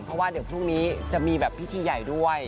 เพราะว่าเดี๋ยวพรุ่งนี้จะมีแบบพิธีใหญ่ด้วย